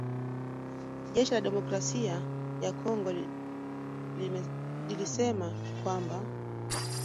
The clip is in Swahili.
jeshi la Demokrasia ya Kongo lilisema kwamba